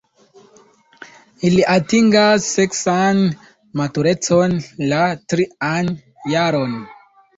Ili atingas seksan maturecon la trian jaron.